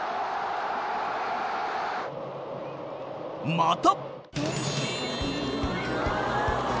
［また］